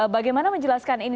bagaimana menjelaskan ini